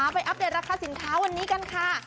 อัปเดตราคาสินค้าวันนี้กันค่ะ